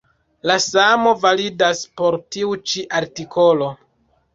La samo validas por tiu ĉi artikolo.